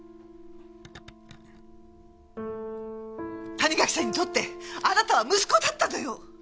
谷垣さんにとってあなたは息子だったのよ！